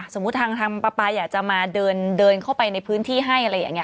ทางป๊าปาอยากจะมาเดินเข้าไปในพื้นที่ให้อะไรอย่างนี้